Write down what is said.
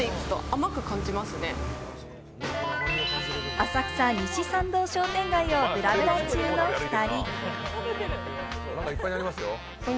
浅草西参道商店街をぶらぶら中の２人。